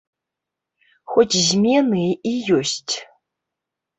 Хоць змены і ёсць.